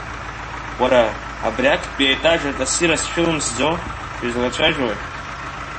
Уара, абри актәи аетажаҿ асирост шәылмсӡо, шәызлацәои?